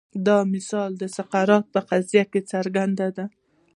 دا مثال د سقراط په قضیه کې څرګند دی.